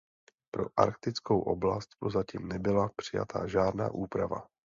Pro arktickou oblast prozatím nebyla přijata žádná úprava.